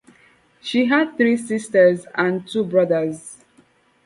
She had three sisters and two brothers.